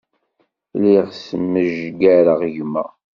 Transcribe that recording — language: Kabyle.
Lliɣ smejgareɣ gma.